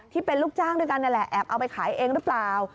ที่เป็นลูกจ้างด้วยกันนั่นแหละแอบเอาไปขายเองหรือเปล่า